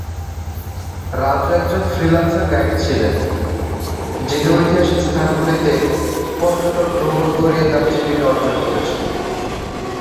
রাজু একজন freelance guide ছিলেন, যিনি ঐতিহাসিক স্থানগুলিতে পর্যটক ভ্রমণ করিয়ে করে তার জীবিকা অর্জন করেছেন।